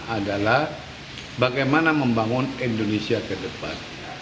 adalah bagaimana membangun indonesia ke depan